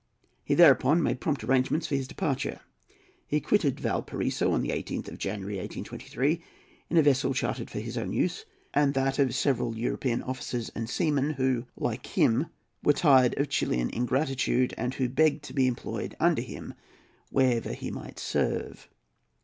He thereupon made prompt arrangements for his departure. He quitted Valparaiso on the 18th of January, 1823, in a vessel chartered for his own use and that of several European officers and seamen, who, like him, were tired of Chilian ingratitude, and who begged to be employed under him wherever he might serve.